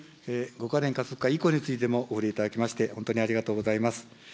５か年加速化いこうについてもお触れいただきまして、本当にありがとうございます。